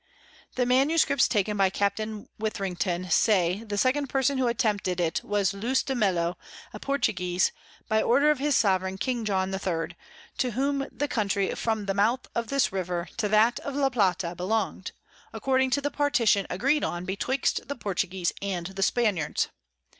The Manuscripts taken by Capt. Withrington say the second Person who attempted it was Leus de Melo a Portuguese, by order of his Sovereign King John III. to whom the Country from the mouth of this River to that of La Plata belong'd, according to the Partition agreed on betwixt the Portuguese and the Spaniards.